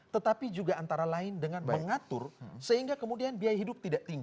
tetapi juga antara lain dengan mengatur sehingga kemudian biaya hidup tidak tinggi